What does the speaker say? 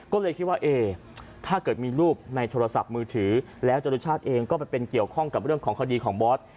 ก็เลยคิดว่าเอ๊ถ้าเกิดมีรูปในโทรศัพท์มือถือแล้วจรุชาติเองก็ไปเป็นเกี่ยวข้องกับเรื่องของคดีของบอส